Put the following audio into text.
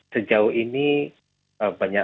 sejauh ini banyak